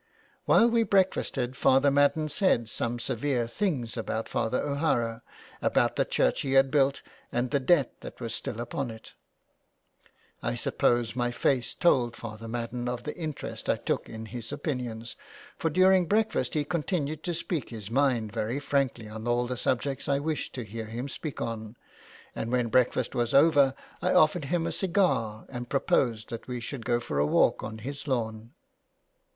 While we breakfasted Father Madden said some severe things about Father O^Hara, about the church he had built, and the debt that was still upon it. I suppose my face told Father Madden of the interest I took in his opinions, for during breakfast he continued to speak his mind very frankly on all the subjects I wished to hear him speak on, and when breakfast was over I offered him a cigar and proposed that we should go for a walk on his lawn.